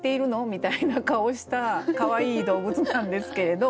みたいな顔したかわいい動物なんですけれど。